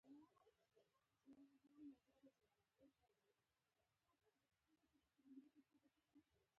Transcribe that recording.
خپل ځان وساته، ګاونډی غل مه نيسه.